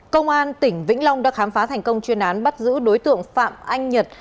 công an tỉnh vĩnh long đã khám phá thành công chuyên án bắt giữ đối tượng phạm anh nhật